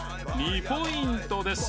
２ポイントです。